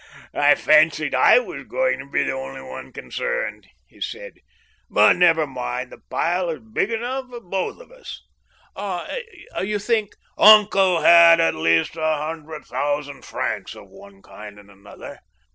I fancied I was going to be the only one concerned," he said* " But, never mind, the pile is big enough for both of us." "Ah I you think "Uncle had at least a hundred thousand francs of one kind and another."